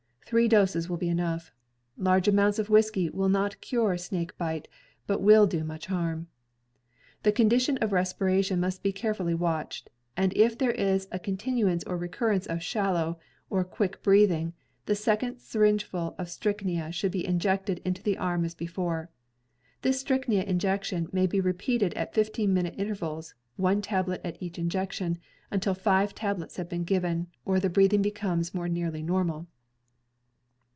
Three doses will be enough. Large amounts of whiskey will not cure snake bite, but will do much harm. The condition of the respiration must be carefully watched, and if there is a continuance or recurrence of "shallow" or quick breathing, the second syringeful of strychnia should be injected into the arm as before. This strychnia injection may be repeated at fifteen minute intervals — one tablet at each injection until five tablets have been given, or the breath ing becomes more nearly normal.